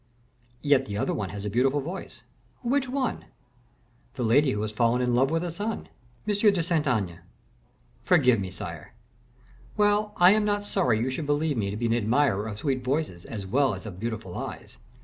"Yet the other one has a beautiful voice." "Which one?" "The lady who has fallen in love with the sun." "M. de Saint Aignan!" "Forgive me, sire." "Well, I am not sorry you should believe me to be an admirer of sweet voices as well as of beautiful eyes.